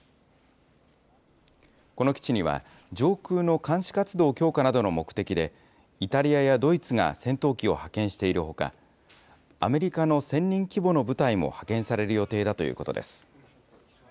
この基地には、上空の監視活動強化などの目的で、イタリアやドイツが戦闘機を派遣しているほか、アメリカの１０００人規模の部隊も派遣される予定だということです。